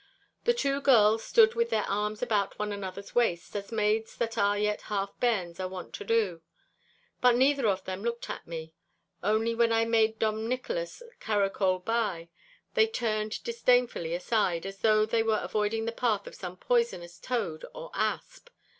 The two girls stood with their arms about one another's waists, as maids that are yet half bairns are wont to do. But neither of them looked at me. Only when I made Dom Nicholas caracole by, they turned disdainfully aside as though they were avoiding the path of some poisonous toad or asp.